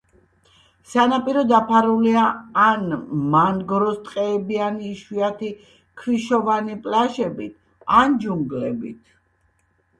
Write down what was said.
სანაპირო დაფარულია ან მანგროს ტყეებიანი იშვიათი ქვიშოვანი პლაჟებით, ან ჯუნგლებით.